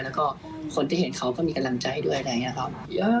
แล้วก็คนที่เห็นเขาก็มีกำลังใจด้วยอะไรอย่างนี้ครับ